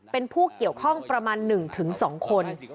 เป็นผู้เกี่ยวข้องประมาณ๑๒คน